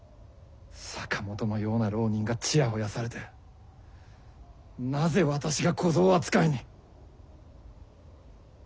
坂本のような浪人がちやほやされてなぜ私が小僧扱いに。